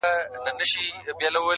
• د تازه هوا مصرف یې ورښکاره کړ,